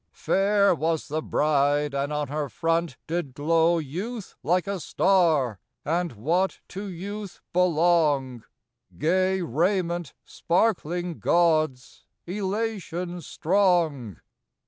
Fair was the bride, and on her front did glow Youth like a star; and what to youth belong, Gay raiment sparkling gauds, elation strong.